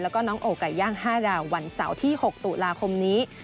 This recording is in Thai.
แล้วก็น้องโอไก่ย่าง๕ดาววันเสาร์ที่๖ตุลาคมนี้